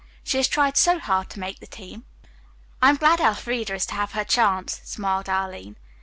She has tried so hard to make the team." "I am glad Elfreda is to have her chance," smiled Arline.